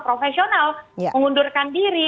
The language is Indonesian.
profesional mengundurkan diri